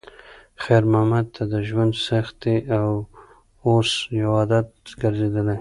خیر محمد ته د ژوند سختۍ اوس یو عادت ګرځېدلی و.